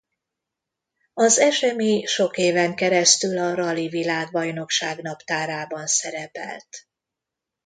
Az esemény sok éven keresztül a rali-világbajnokság naptárában szerepelt.